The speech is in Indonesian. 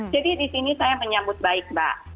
jadi di sini saya menyambut baik mbak